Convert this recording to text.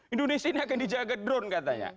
indonesia ini akan dijaga drone katanya